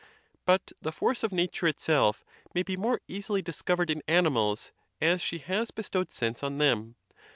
But the force of Nature itself may be more easily dis covered in animals, as she has bestowed sense on them.